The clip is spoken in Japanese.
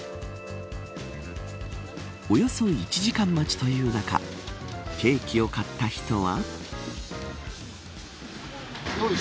およそ１時間待ちという中ケーキを買った人は。